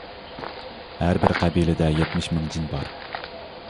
ھەر بىر قەبىلىدە يەتمىش مىڭ جىن بار.